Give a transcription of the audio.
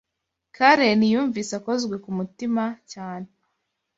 kaleni yumvise akozwe ku mutima cyane.